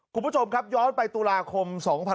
คุณผู้ชมครับย้อนไปตุลาคม๒๕๖๒